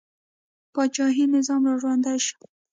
پاچاهي نظام را ژوندی شو.